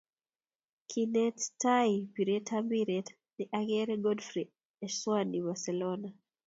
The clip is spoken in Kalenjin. Kinte tai piret ab mpiree ne ang'er Godfrey Eshiwani Barcelona